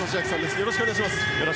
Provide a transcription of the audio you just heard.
よろしくお願いします。